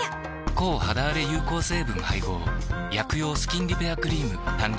抗肌あれ有効成分配合薬用スキンリペアクリーム誕生